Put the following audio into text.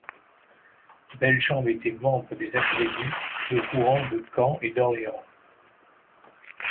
Beljambe était membre des académies de Rouen, de Caen et d’Orléans.